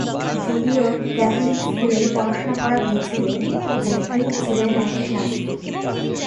যদিও ক্যাথলিক স্কুলে পড়াশোনা করা হয়েছিল, জেফ্রি ছিলেন একজন নাস্তিক।